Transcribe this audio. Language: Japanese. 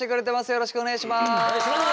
よろしくお願いします。